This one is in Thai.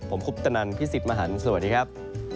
ผมคุปตนันพี่สิทธิ์มหันฯสวัสดีครับ